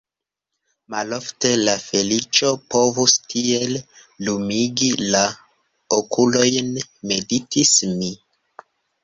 Malofte la feliĉo povus tiel lumigi la okulojn – meditis mi.